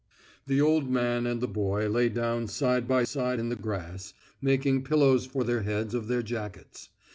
The old man and the boy lay down side by side in the grass, making pillows for their heads of their jackets.